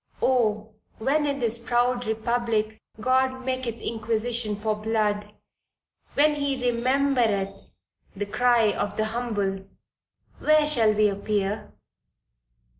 Oh when in this proud republic God maketh inquisition for blood, when he remembereth the cry of the humble where shall we appear?